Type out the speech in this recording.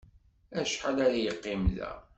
Acḥal ara yeqqim da?